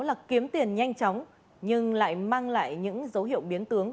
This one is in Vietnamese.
là kiếm tiền nhanh chóng nhưng lại mang lại những dấu hiệu biến tướng